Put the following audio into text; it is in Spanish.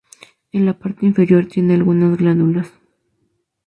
En la parte inferior tiene algunas glándulas.